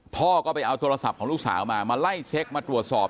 พ่อก็ไปเอาโทรศัพท์ของลูกสาวมามาไล่เช็คมาตรวจสอบ